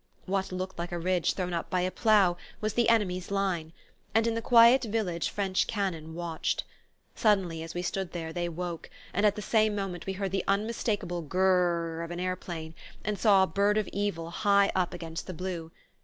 What looked like a ridge thrown up by a plough was the enemy's line; and in the quiet village French cannon watched. Suddenly, as we stood there, they woke, and at the same moment we heard the unmistakable Gr r r of an aeroplane and saw a Bird of Evil high up against the blue.